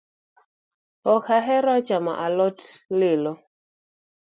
Ok ahero chamo alot lilo